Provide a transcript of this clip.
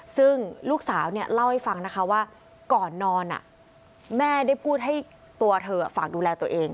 ซึ่งลูกสาวเนี่ยเล่าให้ฟังนะคะว่าก่อนนอนแม่ได้พูดให้ตัวเธอฝากดูแลตัวเอง